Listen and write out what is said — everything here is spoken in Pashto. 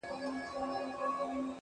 ماته به بله موضوع پاته نه وي!